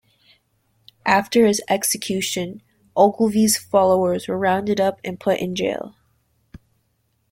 After his execution Ogilvie's followers were rounded up and put in jail.